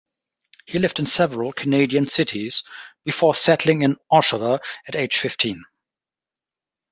He lived in several Canadian cities before settling in Oshawa at age fifteen.